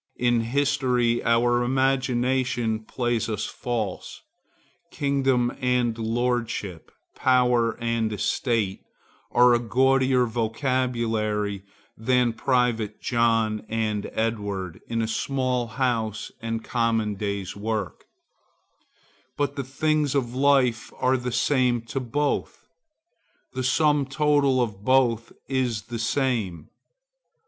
In history our imagination plays us false. Kingdom and lordship, power and estate, are a gaudier vocabulary than private John and Edward in a small house and common day's work; but the things of life are the same to both; the sum total of both is the same.